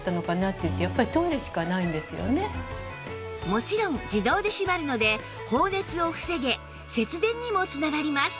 もちろん自動で閉まるので放熱を防げ節電にもつながります！